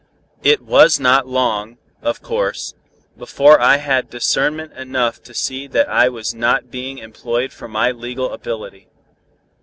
It was not long, of course, before I had discernment enough to see that I was not being employed for my legal ability.